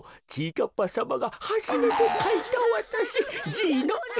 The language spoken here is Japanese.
かっぱさまがはじめてかいたわたしじいのえ。